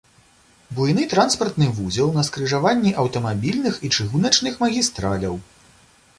Буйны транспартны вузел на скрыжаванні аўтамабільных і чыгуначных магістраляў.